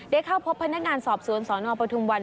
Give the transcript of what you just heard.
เข้าพบพนักงานสอบสวนสนปทุมวัน